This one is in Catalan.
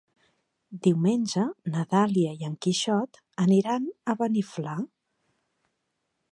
Diumenge na Dàlia i en Quixot aniran a Beniflà.